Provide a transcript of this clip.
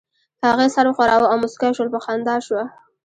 هغې سر وښوراوه او موسکۍ شول، په خندا شوه.